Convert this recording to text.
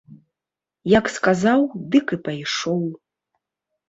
Як сказаў, дык і пайшоў.